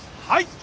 はい！